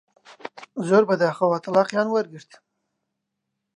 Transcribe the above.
زۆر بەداخەوە تەڵاقیان وەرگرت